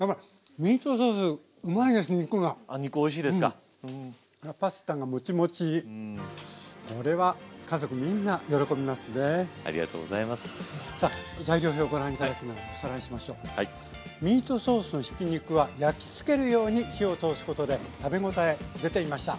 ミートソースのひき肉は焼きつけるように火を通すことで食べ応え出ていました。